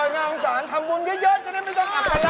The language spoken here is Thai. น้องสารทำบุญเยอะจะได้ไม่ต้องอาจารย์